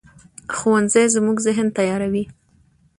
ښوونځی زموږ ذهن تیاروي